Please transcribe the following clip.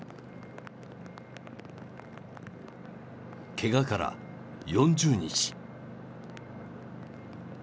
けがから４０日。